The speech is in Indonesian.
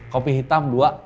kopi hitam dua